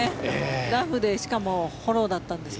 ラフでしかもフォローだったんですが。